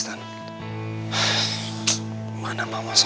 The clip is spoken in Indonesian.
teknologen papa pas dia